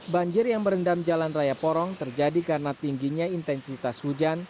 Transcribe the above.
banjir yang merendam jalan raya porong terjadi karena tingginya intensitas hujan